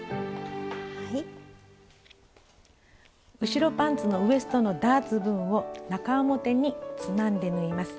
後ろパンツのウエストのダーツ分を中表につまんで縫います。